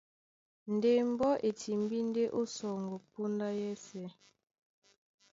Ndé mbɔ́ e timbí ndé ó sɔŋgɔ póndá yɛ́sɛ̄.